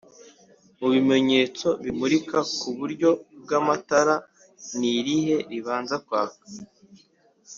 mubimenyetso bimurika kuburyo bw’amatara nirihe ribanza kwaka